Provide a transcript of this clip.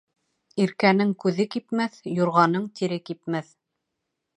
Иркәнең күҙе кипмәҫ, юрғаның тире кипмәҫ.